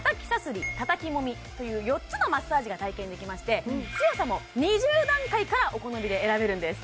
たたきもみという４つのマッサージが体験できまして強さも２０段階からお好みで選べるんです